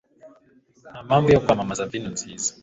Nta mpamvu yo kwamamaza vino nziza.